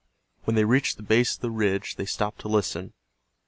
When they reached the base of the ridge they stopped to listen.